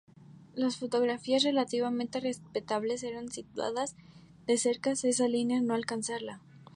La fotografías relativamente "respetables" eran cuidadosas de acercarse a esa línea, pero no alcanzarla.